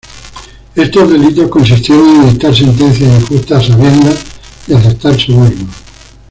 Estos delitos consistieron en dictar sentencias injustas a sabiendas y aceptar sobornos.